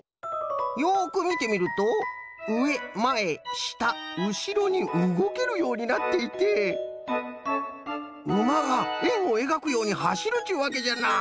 よくみてみるとうえまえしたうしろにうごけるようになっていてうまがえんをえがくようにはしるっちゅうわけじゃな！